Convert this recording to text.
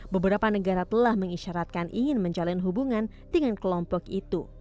beberapa negara telah mengisyaratkan ingin menjalin hubungan dengan kelompok itu